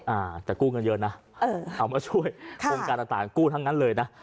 อ่าแต่กู้เงินเยอะนะเออเอามาช่วยโครงการต่างต่างกู้ทั้งนั้นเลยนะ